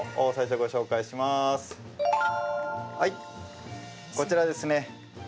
はい、こちらですね。